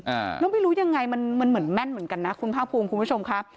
อ่าแล้วไม่รู้ยังไงมันมันเหมือนแม่นเหมือนกันนะคุณภาคภูมิคุณผู้ชมครับ